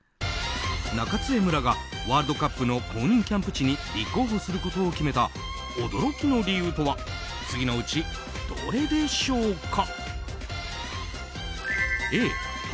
中津江村がワールドカップの公認キャンプ地に立候補することを決めた驚きの理由とは次のうち、どれでしょうか。